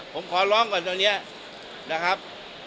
ผมขอร้องก่อนตอนนี้นะครับ